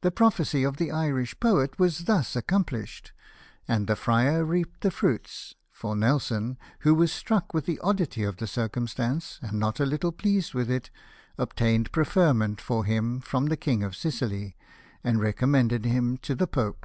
The prophecy of the Irish poet was thus accomplished, and the friar reaped the fruits, for Nelson, who was struck with the oddity of the circumstance, and not a httle pleased with it, obtained preferment for him from the King of Sicily, and recommended him to the Pope.